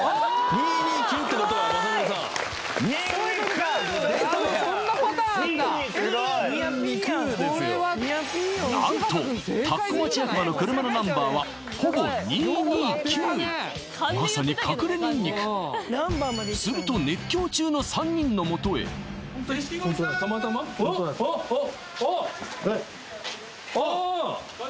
２２９ってことは雅紀さんニンニクですよ何と田子町役場の車のナンバーはほぼ２２９まさに隠れニンニクすると熱狂中の３人の元へあっあっあっあっあーっ